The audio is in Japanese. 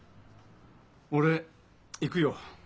俺行くよ。